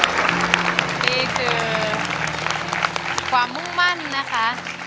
นี่คือความมุ่งมั่นนะคะ